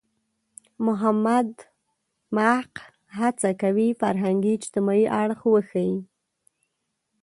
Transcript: محمد محق هڅه کوي فرهنګي – اجتماعي اړخ وښيي.